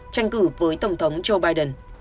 tranh cử với tổng thống joe biden